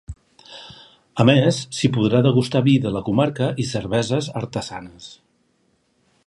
A més, s’hi podrà degustar vi de la comarca i cerveses artesanes.